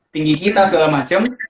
tinggi kita segala macem